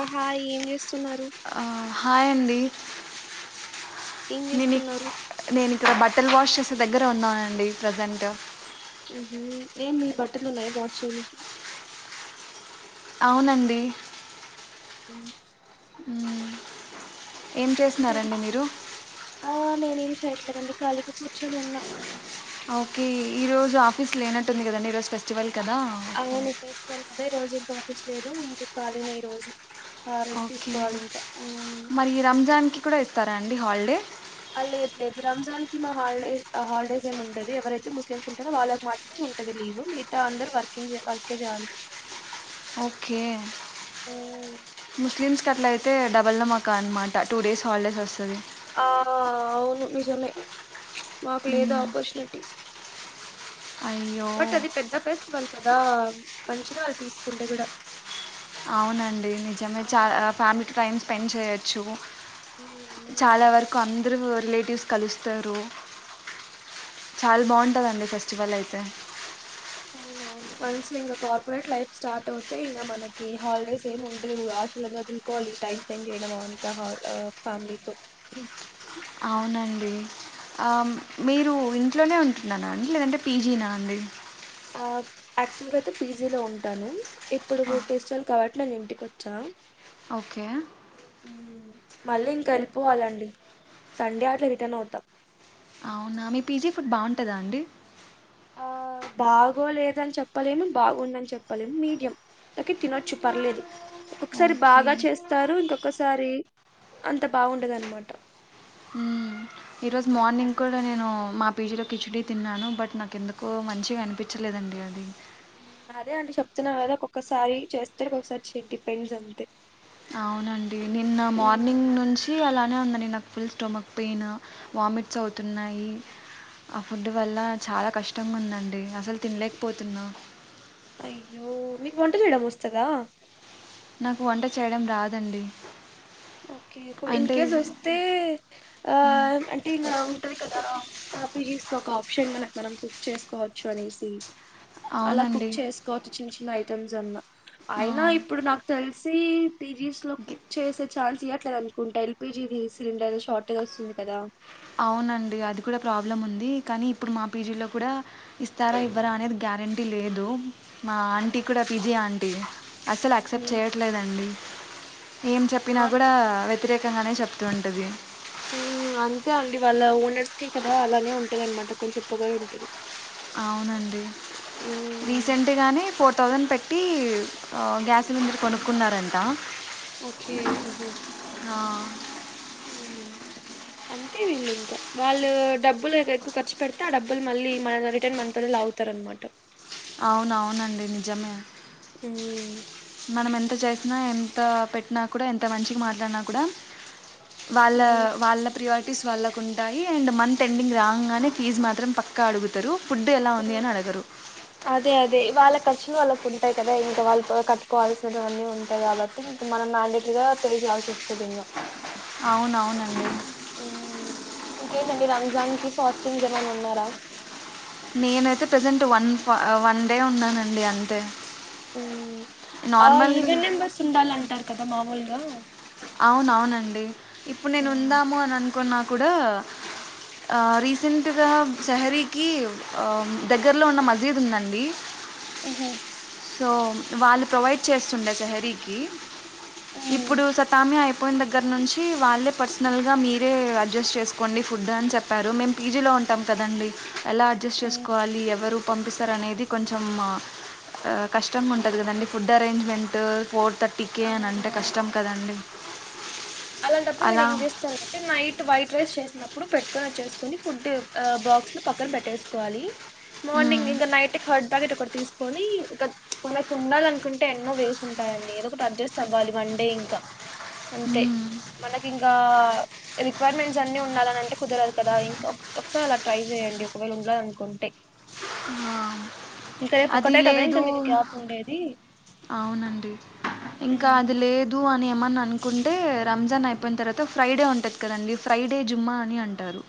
ఆహా ఏం జూస్ ఆ హాయ్ అండి ఏం నేను జేస్తున్నారు ఇక్- నేను ఇక్కడ బట్టల్ వాష్ చేసే దగ్గర ఉన్నానండి ప్రజెంట్ ఊహూ ఏం మీ బట్టలున్నాయా వాష్ చేయనీకి ఔనండి హుమ్ ఉమ్ ఏం చేస్తున్నారండి మీరు [unintelligible] ఖాళీగ కూర్చొని ఉన్నా ఓకే ఈ రోజు ఆఫీస్ లేనట్టుంది కదండి ఈ రోజు ఫెస్టివల్ కదా ఓకే అవును ఫెస్టివల్ కదా ఈ రోజు ఇంకా ఆఫీస్ లేదు ఇంక ఖాళీనే ఈ రోజు ఆ రెస్ట్ ఓకే తీసుకోవాలి ఇంకా ఉమ్ మరి రంజాన్ కి కూడా ఏత్తారా అండి హాల్డే ఆ లేదు లేదు రంజాన్ కి మా హాలిడే ఆ హాలిడేస్ ఏం ఉండది ఎవరైతే ముస్లిమ్స్ ఉంటారో వాళ్ళకి మాత్రమే ఉంటది లీవు మిగతా అందరూ వర్కింగే వర్కే చేయాలి ఓకే ముస్లిమ్స్ కట్లా ఐ తే డబుల్ ధమాకా అనమాట టూ డేస్ హాలిడేస్ వస్తది ఆహా అవును నిజమే మాకు లేదా మ్, ఆపర్చునిటీ అయ్యో బట్ అది పెద్ద ఫెస్టివల్ కదా మంచిది వాళ్ళు తీసుకుంటే కూడా అవునండి నిజమే ఆ చాలా ఫ్యామిలీకి టైమ్ స్పెండ్ చేయొచ్చు ఉమ్ ఉమ్. చాలా వరకు అందురూ రిలేటివ్స్ కలుస్తారు చాల్ బావుంటదండి ఫెస్టివల్ ఐతే అవునవును వన్స్ ఇంకా కార్పొరేట్ లైఫ్ స్టార్ట్ అవుతే ఇంగ మనకి హాలిడేస్ ఏం ఉండదు ఆషలన్నీ వదులుకోవాలి టైమ్ స్పెండ్ చేయడం అంత [unintelligible] ఫ్యామిలీతో అవునండి ఆ మీరు ఇంట్లోనే ఉంటున్నారా అండి లేదంటే పీ జీ నా అండి యాప్ యాక్చువల్గా అయితే పీ జీ లో ఉంటాను ఇప్పుడు ఆ, ఫెస్టివల్ కాబట్టి నేను ఇంటికొచ్చా ఓకే ఊ మళ్ళీ ఇంక ఎళ్ళిపోవాలండి సండే ఆట్లా రిటర్న్ అవుతా అవునా మీ పీ జీ ఫుడ్ బావుంటదా అండి ఆ బాగోలేదని చెప్పలేను బాగుందని చెప్పలేం మీడియం ఓకే తినొచ్చు పర్లేదు ఒక కసారి ఓకే బాగా చేస్తారు ఇంకొకసారి అంత బావుండదన్నమాట ఈ రోజు మార్నింగ్ కూడా నేను మా పీ జీ లో కిచిడీ తిన్నాను బట్ నా కెందుకో మంచిగ అన్పిచ్చలేదండి అది ఉమ్ అదే అండి చెప్తున్నా కదా ఒక్కొక్కసారి చేస్తరు ఒకసారి [inaudible] అంతే అవునండి నిన్న ఉమ్, మార్నింగ్ నుంచి అలా [unintelligible] నాక్ ఫుల్ స్టమక్ పెయిన్ వామిట్స్ అవుతున్నాయి. ఆ ఫుడ్ వల్ల చాలా కష్టంగా ఉందండి అసల్ తిన్లేక్పోతున్నా అయ్యో మీకు వంట చేయడం వస్తదా నాకు వంట చేయడం రాదండి. ఓకే ఇన్ అంటే కేేస్ వస్తే ఆ అంటే ఇగ ఉంటది కదా అట్లెస్ట్ ఒక ఆప్షన్ మనక్ మనం కుక్ చేసుకోవచ్చు అనేసి అలా అవునండి కుక్ చేసుకోవచ్చు చిన్న చిన్న ఐ ఇతం జన్న ఆ! అయినా ఇప్పుడు నాక్ తెల్ సీ టీజీస్లో గి కుక్ చేసే ఛాన్స్ ఇయ్యట్లేదు అనుకుంటా ఎల్ పి జీ రి సిలిండర్ షార్టేజ్ వస్తుంది కదా అవునండి అది కూడా ప్రాబ్లం ఉంది కానీ ఇప్పుడు మా పీ జీ లో కూడా ఇస్తారా ఇవ్వరా అనేది గ్యారెంటీ లేదు మా ఆంటీ కూడా పీ జీ ఆంటీ అసలు ఆక్సెప్ట్ ఉమ్. చేయట్లేదండి ఏం చెప్పినా ఆ కూడా వె వ్యతిరేకంగానే చెప్తూ ఉంటది. ఆ అంతే అండి వాళ్ళ ఓనర్స్కే కదా అలానే ఉంటదన్నమాట కొంచెం పొగరుంటది. అవునండి మ్మ్ రీసెంట్ గాని పో థౌసండ్ పెట్టి ఆ గ్యాస్ సిలిండర్ కొను కున్నారంటా ఓకే ఆహా ఉమ్, అంతే వీళ్ళు ఇంకా వాళ్ళు డబ్బులు ఎక్కువ ఖర్చు పెడితే ఆ డబ్బులు మళ్ళీ మన రిటర్న్ మనతో లాగుతారన్నమాట అవునవునండి నిజమే మ్ మనం ఎంత చేసినా ఎంత పెట్టినా కూడా ఎంత మంచికి మాట్లాడినా కూడా వాళ్ళ ఉమ్, వాళ్ళ ప్రియ టిస్ వాళ్ళక్ ఉంటాయి. అండ్ మంత్ ఎండింగ్ రాంగనే ఫీజ్ మాత్రం పక్కా అడుగుతరు. ఫుడ్డు ఎలా ఉంది అని అడగరు అదే అదే వాళ్ళ ఖర్చులు వాళ్ళక్ ఉంటాయి కదా ఇంకా వాళ్ళు కట్టుకోవాల్సినవన్నీ ఉంటాయి కాబట్టి ఇంకా మనం మ్యాండేట్రీగా పే చేయాల్సి వస్తుంది ఇంకా అవునవునండి ఇంకేంటండి రంజాన్కి ఫాస్టింగ్స్ ఏమైనా ఉన్నారా నేనైతే ప్రజెంట్ వన్ వన్ డే ఉన్నానండి అంతే ఓ ఆ నార్మల్గా ఈవెన్ నెంబర్స్ ఉండాలంటారు కదా మామూల్గా అ అవునవునండి. ఇప్పుడు నేన్ ఉమ్, ఉందాము అని అన్ కొన్నా కూడా రీసెంట్గా శహరీకి దగ్గరలో ఉన్న మజీద్ ఉందండి. ఉహు సో వాళ్ళు ప్రొవైడ్ చేస్తుండే సెహరీకి. ఉమ్ ఇప్పుడు స అయిపోయిన దగ్గర నుంచి వాళ్ళే పర్సనల్ గా మీరే అడ్జస్ట్ చేసుకోండి ఫుడ్ అని చెప్పారు మేము పీజీలో ఉంటాం కదండి. ఎలా అడ్జస్ట్ ఉమ్ చేసుకోవాలి ఎవరు పంపిస్ అనేది కొంచెం కష్టంగా ఉంటది కదండి ఫుడ్ అరేంజ్మెంటు ఫోర్ థర్టీకే అని అంటే అవునవును కష్టం కదండి. అలాంటప్పుడు మీరు అలా ఏం చేస్తారంటే నైట్ వైట్ రైస్ చేసినప్పుడు పెట్టుకొని వచ్చేసుకొని ఫుడ్ బాక్స్ లో పక్కన పెట్టేసుకోవాలి. మార్నింగ్ మ్మ్. ఇంకా నైట్ కర్డ్ ప్యాకెట్ ఒకట్ తీస్కొని ఇక మనకుండాలనుకుంటే ఎన్నో వేస్ ఉంటాయండి ఏదో పోతే అడ్జెస్ట్ అవ్వాలి వన్ డే ఇంకా అంతే మ్మ్. మనకి ఇంకా రిక్వైర్మెంట్స్ అన్ని ఉండాలనంటే కుదరదు కదా ఇంకా ఒకసారి అలా ట్రై చేయండి ఒకవేళ ఉండాలనుకుంటే ఆ, ఇంకా రేపు అది ఒక్కటే కదా ఇంకా లేదు మీకు గ్యాప్ ఉండేది అవునండి ఇంకా అది లేదు అని ఏమన్న అనుకుంటే రంజాన్ అయిపోయిన తర్వాత ఫ్రైడే ఉంటది కదండి ఫ్రైడే జుమ్మా అని అంటారు.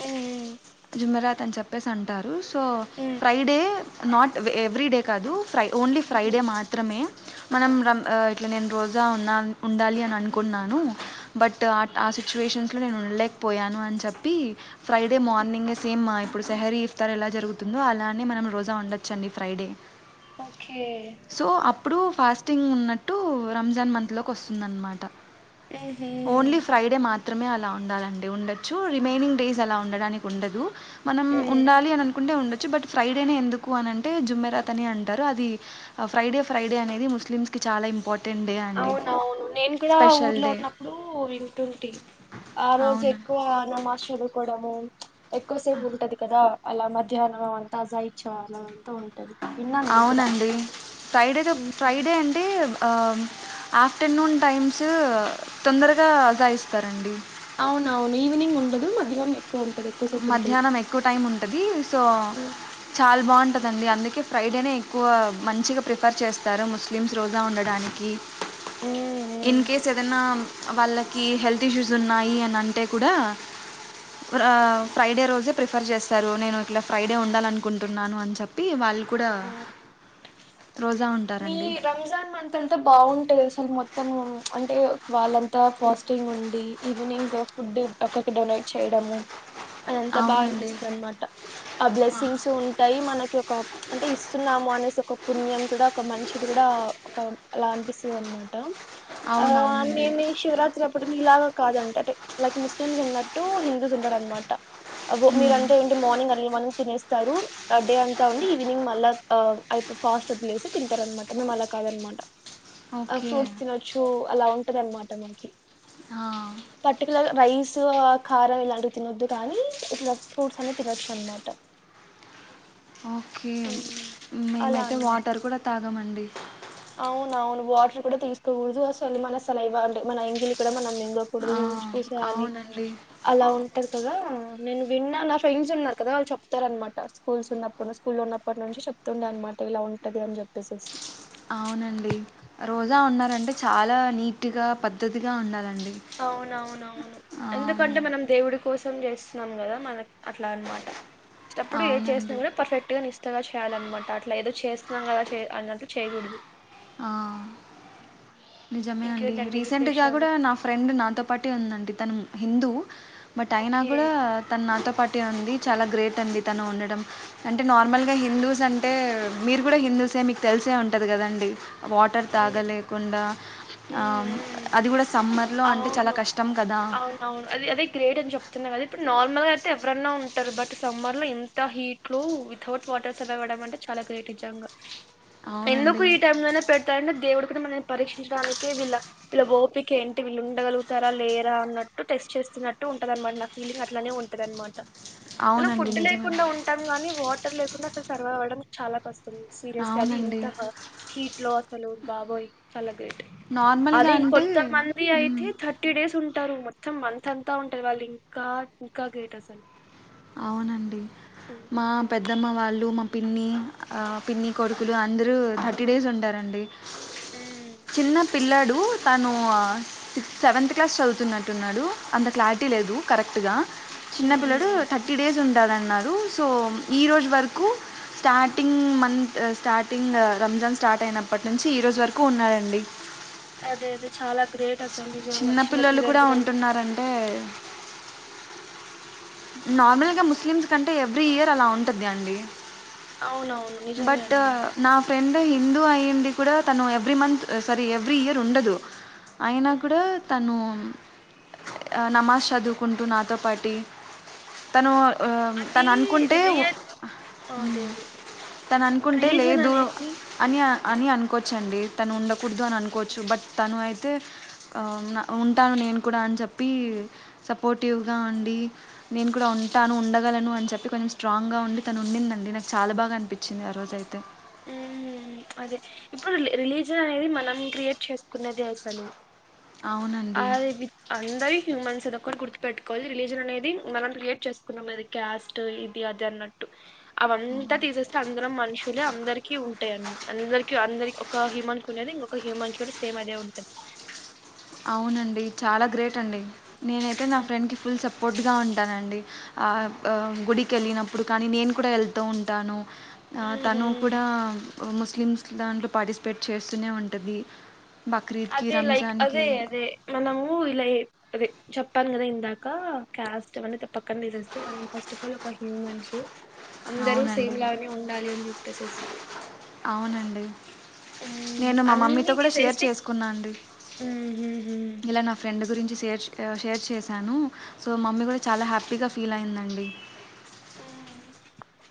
హ్మ్ జుమెరాత్ అని చెప్పేసి అంటారు so Friday not every day కాదు ఫ్రై ఓన్లీ ఫ్రైడే మాత్రమే మనం ఇట్లా నేను రోజా ఉన్నా ఉండాలి అని అనుకున్నాను బట్ ఆ సిచ్యువేషన్స్లో నేను ఉండలేకపోయాను అని చెప్పి ఫ్రైడే మార్ని నింగే సేమ్ ఇప్పుడు సెహరీ ఇఫ్తార్ ఎలా జరుగుతుందో అలానే మనం రోజా ఉండొచ్చండి ఫ్రైడే. ఓకే సో అప్పుడు ఫాస్టింగ్ ఉన్నట్టు రంజాన్ మంత్లోకి వస్తుందనమాట హ్మ్ హు మాత్రమే అలా ఉండాలండి ఉండచ్చు రిమైనింగ్ డేస్ అలా ఉండడానికి ఉండదు మనం ఉండాలి అని అనుకుంటే ఉండ చ్చు బట్ ఫ్రైడేనే ఎందుకు అనంటే జమ్మెరాత్ అని అంటారు. అది ఫ్రైడే ఫ్రైడే అనేది ముస్లిమ్స్కి చాలా ఇంపార్టెంట్. డే అండి అవునవును నేను కూడా స్పెషల్ ఊర్లో డే ఉన్నప్పుడు వింటుంటి ఆ రోజు అవును ఎక్కువ నమాజ్ చదువుకోవడము ఎక్కువసేపు ఉంటది కదా అలా మధ్యాహ్న వ తాజా ఇచ్చ అలా అంత ఉం అవునండి ఫ్రైడేగా ఉమ్, ఫ్రైడే అంటే ఆ ఆఫ్టర్నూన్ టైమ్స తొందరగా అజా ఇస్తారండి. అవునవును ఈవినింగ్ ఉండదు మధ్యాహ్నం ఎక్కువ ఉంటది ఎక్కువసేపు ఉంటది మధ్యాహ్నం ఎక్కువ టైం ఉంటది సో ఉమ్, చాలా బాగుంటది డి అందుకే ఫ్రైడేనే ఎక్కువ మంచిగా ప్రిఫర్ చేస్తారు ముస్లిమ్స్ రోజా ఉండడానికి ఉమ్, ఇన్ ఉమ్, కేస్ ఏదైనా వాళ్ళకి హెల్త్ ఇష్యూస్ ఉన్నాయి అని అంటే కూడా ఫ్రైడే రోజే ప్రిఫర్ చేస్తారు నేను ఇట్లా ఫ్రైడే ఉండాలనుకుంటున్నాను అని చెప్పి వాళ్ళు పుడా ఉమ్. మీ రంజాన్ అంత అంతా బాగుంటాది అసలు మొత్తం తను అంటే వాళ్ళంతా ఫాస్టింగ్ ఉండి ఈవినింగ్ ఫుడ్ ఒక్క డొనేట్ చేయడము అది ఎంత బాగా అవునండి అనిపిస్తుంది అనమాట ఆ బ్లెస్సింగ్స్ ఉంటాయి మనకి ఒక అంటే ఇస్తున్నాము అనేసి ఒక పుణ్యం కూడా ఒక మంచిది కూడా ఒక అలా అనిపిస్తుంది అనమాట ఆ అవునవునండి నేను శివరాత్రి అప్పటి ఇలాగ కాదంట ట లక్ ముస్లిమ్స్ ఉన్నా టూ హిందూస్ ఉంటార అనమాట మీరంతా ఏంటి అర్లీ మార్నింగ్ తినేస్ తరు ఆ డే అంతా ఉండి ఈవినింగ్ మళ్ళ అ అయి ఫాస్ట్ వదిలేసి తింటారనమాట మేము అలా కాదనమాట ఆ ఓకే ఫ్రూట్స్ తినొచ్చు అలా ఉంటది అన్నమాట మనకి పర్టికల రైస్ కారం ఇలాంటివి తినొద్దు కానీ ఇట్లా ఫ్రూట్స్ అనే తినొచ్చు అనమాట ఓకే అలా మేమైతే అనమాట వాటర్ కూడా తాగమండి అవున అవును వాటర్ కూడా తీసుకోకూడదు అసలు మన అసలుంటే మన ఎంగిలి కూడా మనం ఇకూడదు ఆ ఊ చూసేయాలి అవునండి అలా ఉంటది కదా నేను విన్నా నా ఫ్రెండ్స్ ఉన్నా కదా వాళ్ళు చెప్తారనమాట స్కూల్స్ ఉన్నప్పుడు స్కూల్ ఉన్నప్పటి నుంచి చెప్తుండే అనమాట ఇలా ఉంటది అని చెప్పేసేసి అవునండి రోజా ఉన్నారంటే చాలా నీట్గా పద్ధతిగా ఉండాలండి అవునవునవును ఆ ఎందుకంటే మనం దేవుడి కోసం చేస్త న్నాం కదా మనకి అట్లా అనమాట ఇప్పుడు ఏ చేసినా అవునండి కూడా పర్ఫెక్ట్గా నిఇస్తగా చేయాలన్నమాట అట్లా ఏదో చేస్తున్నాం కదా చే అన్నట్టు చేయకూడదు ఆ నిజమే అండి ఇంకేంటండి రీసెంట్ గా విశేషాలు కూడా నా ఫ్రెండ్ ఆంటే నాతో పాటే ఉందండి తను హిందూ బట్ అగ నా ఓకే కూడా తనతో పటి ఉంది చాలా గ్రేట్ అండి తను ఉండటం అంటే నార్మల్గా హిందూస్ అంటే మీరు కూడా హిందూసే మీకు తెలిసే ఉంటుంది కదండి వాటర్ ఉమ్, తాగలేకుండా అ ఉమ్, ఉమ్. అది గుడా సమ్మర్ అవును అవును అవును అది అదే గ్రేట్ అని చెప్తున్నా గాద ఇ నార్మల్గా అయితే ఎవరన్నా ఉంటారు. బట్ సమ్మర్ లో ఇంత హీట్లో వితౌట్ వాటర్ సర్వైవ్ అవడం అంటే చాలా గ్రేట్ నీజంగా ఎందుకు అవునండి ఈ టైం లోనే పెడతాడు అంటే దేవుడు ఇక్కడ మనన్నీ పరీక్షించడానికి వీళ్ళ ఓపిక ఏం వీళ్ళు ఉండగలుగుతారా లేరా అన్నట్టు టెస్ట్ చేస్తున్నట్టు ఉంటదన్నమాట నా ఫీలింగ్ అట్లానే ఉంటది అన్నమాట మనం అవునండి ఫుడ్ నిజమే లేకుండా ఉంటాం గానీ వా టార్ లేకుండా అస్సలు సర్వైవ్ అవ్వడం చాలా క ష్టం సీరియస్ వ్యాధి అవునండి ఇంత హా హీట్ లో ఆ హాలో బాబోయ్ చాల నార్మల్గా అంటే మ్మ్ ఆయితే థర్టీ డేస్ ఉంటారు మొత్తం మంత్ అంతా ఉంటారు వాళ్ళు ఇంకా ఇంకా గేట్ అసలు అవునండి ఉమ్. మా పెద్ద ద్దమ్మ వాళ్ళు మా పిన్ని పిన్ని కొడుకులు అందరూ థర్టీ డేస్ ఉంటారండి. ఉమ్, చిన్న పిల్లాడు ను తను ఆ సెవంత్ క్లాస్ చదున్నట్టు ఉన్నాడు. అంత క్లారిటీ లేదు కరె ట్టుగా చిన్న ఉమ్, ఉమ్, పిల్లోడు ఉమ్. ఉంటదన్నారు సో ఈ రోజు వరకు starting month starting Ramzan start అయినప్పటి నుంచి ఈ రోజు వరకు ఉన్నారండి. అదే అదే చాలా గ్రేట్ చిన్న పిల్లలు కూడా ఉంటున్నారంటే ఉమ్, నార్మల్గా ముస్లిమ్స్ కం అంటే ఎవ్రీ ఇయర్ అలా ఉంటద్ది అండి. అవునవును నిజమే బట్ అండి నా ఫ్రెండ్ హిందూ అయిండీ కూడా తను every month sorry every year ఉండదు. అయినా ఉమ్, కూడా తను ఆ నమాజ్ చదువుకుంటూ నాతో పాటి తను అది తను అనుకుంటే ఉ రిలియ అదే అదే తను అనుకుంటే రిలీజియన్ లేదు అనేది అని అని అనుకోవచ్చండి. తను ఉండకూదు. అని అనుకోవచ్చు బట్ తను అయి అయితే ఆ ఉ ఉంటాను నేను కూడా అని చెప్పి సపోర్టివ్గా ఉండి నేను కూడా ఉంటాను. ఉండగలను అని చెప్పి కొంచెం స్ట్రాంగ్గా ఉండి. తను ఉండిందండి. నాకు చాలా బాగా అనిపించింది. ఆ రోజైతే ఉహ్ అదే ఇప్పుడు రిలీజిన్ అనేది మనం క్రియేట్ చేసుకున్నది. అసలు ఆ అవునండి వి అందరి హ్యూమన్స్ గుర్తుపెట్టుకోవాలి రిలీజన్ అనేది మనం క్రియేట్ చేసుకున్నాం అది క్యాస్ట్ ఇది అది అన్నట్టు అవంతా తీసేస్తే అందరం మనుషు ఇలా అందరికీ ఉంటాయండి అందరికీ అందరి ఒక హ్యూమన్ కునేది ఇంకొక హ్యూమాన్ కి కూడా సేమ్ అదే ఉంటాది అవునండి చాలా గ్రేట్ అండి నేన అయితే నా ఫ్రెండ్కి ఫుల్ సపోర్ పోటీగా ఉంటానండి గుడికి వెళ్ళినప్పుడు కానీ నేను కూడా వెళ్తూ ఉంటాను ఆ ఉహు తను కూడా ముస్లిమ్స్ దాంట్లో పార్టిసిపేట్ చేస్తూనే ఉంటది బక్రీద్ కి అదే లైక్ రంజాన్ అదే అదే మనము ఇలా అదే చెప్పాను కదా ఇందాక కాస్ట్ అవన్నీ తప్పా పక్కనా తీసేస్తే మనం ఫస్ట్ ఆఫ్ ఆల్ ఒక హ్యూమన్స్ అందరూ అవునండి. సేమ్ లానే ఉండాలి. అని చెప్పేసేసి అవునండి. ఉమ్ నేను మా మమ్మీతో అన్ని కూడా షేర్ తీసేస్తే చేసుకున్నా అండి ఉహుహు ఇలా నా ఫ్రెండ్ మీ గురించి షేర్ షేర్ చేశాను సో మమ్మీ కూడా చాలా హ్యాపీగా ఫీల్ అయిందండి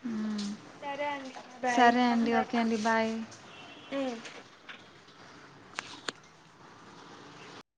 హ్మ్. సరే అండి బాయ్ సరే అండి ఓకే అండి బాయ్